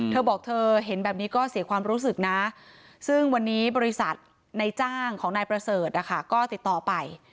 เธอบอกเธอเห็นแบบนี้ก็เสียความรู้สึกนะซึ่งวันนี้บริษัทในจ้างของนายประเสริฐนะคะก็ติดต่อไป